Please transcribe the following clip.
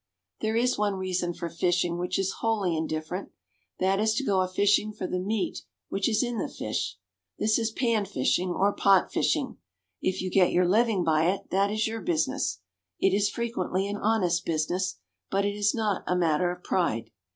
There is one reason for fishing which is wholly indifferent that is to go a fishing for the meat which is in the fish. This is pan fishing or pot fishing. If you get your living by it, that is your business. It is frequently an honest business. But it is not a matter of pride.